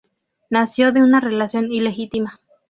Nació de una relación ilegítima.